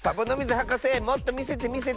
はかせもっとみせてみせて。